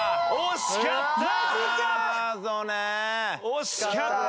惜しかった！